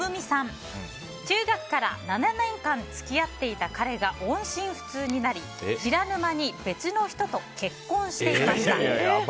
中学から７年間付き合っていた彼が音信不通になり知らぬ間に別の人と結婚していました。